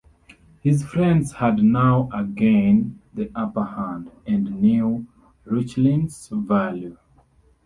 His friends had now again the upper hand, and knew Reuchlin's value.